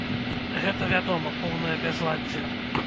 Гэта вядома поўнае бязладдзе.